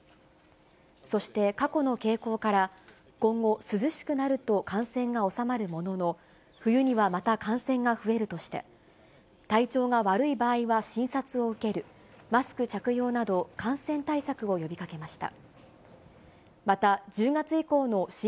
そして過去の傾向から、今後、涼しくなると感染が収まるものの、冬にはまた感染が増えるとして、体調が悪い場合は診察を受ける、マスク着用など感染対策を呼びかけました。